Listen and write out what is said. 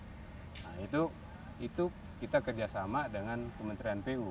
nah itu kita kerjasama dengan kementerian pu